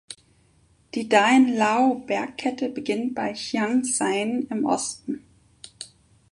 Die Daen-Lao-Bergkette beginnt bei Chiang Saen im Osten.